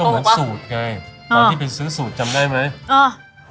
เมื่อกี้ซื้อสูตรจำได้ไหม